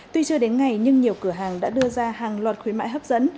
tuy chưa đến ngày nhưng nhiều cửa hàng đã đưa ra hàng loạt khuyến mại hấp dẫn